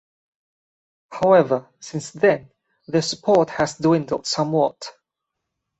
However, since then, their support has dwindled somewhat.